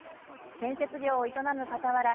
建設業を営むかたわら